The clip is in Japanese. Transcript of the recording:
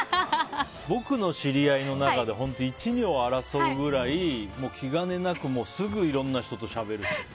僕の知り合いの中で１、２を争うぐらい気兼ねなく、すぐいろんな人としゃべれる。